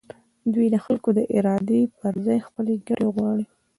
دوی د خلکو د ارادې پر ځای خپلې ګټې غواړي.